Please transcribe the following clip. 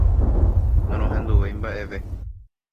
Norohenduvéi mba'eve.